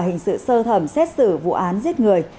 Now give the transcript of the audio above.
hình sự sơ thẩm xét xử vụ án giết người